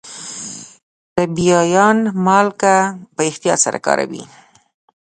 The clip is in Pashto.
ټبیايان مالګه په احتیاط سره کاروي.